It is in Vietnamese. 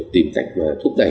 tìm cách thúc đẩy